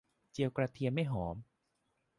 เจียวกระเทียมให้หอม